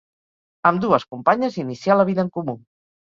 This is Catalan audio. Amb dues companyes, inicià la vida en comú.